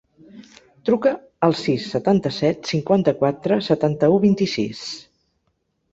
Truca al sis, setanta-set, cinquanta-quatre, setanta-u, vint-i-sis.